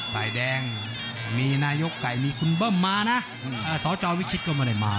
ฝ่ายแดงมีนายกไก่มีคุณเบิ้มมานะสจวิชิตก็ไม่ได้มา